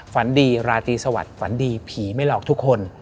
ฝันดีราตรีสวัสดิ์ฝันดีผีไม่หลอกทุกคน